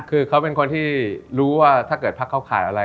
คือเขาเป็นคนที่รู้ว่าถ้าเกิดพักเข้าข่ายอะไร